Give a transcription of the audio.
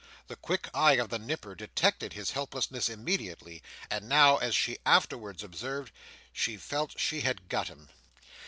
The quick eye of the Nipper detected his helplessness immediately, and now, as she afterwards observed, she felt she had got him.